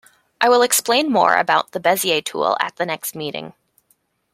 I will explain more about the Bezier tool at the next meeting.